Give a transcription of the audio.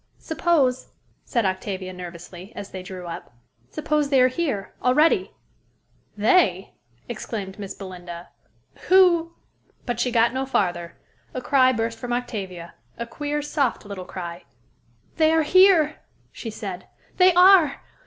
"Suppose," said Octavia nervously, as they drew up, "suppose they are here already." "They?" exclaimed Miss Belinda. "Who" but she got no farther. A cry burst from Octavia, a queer, soft little cry. "They are here," she said: "they are!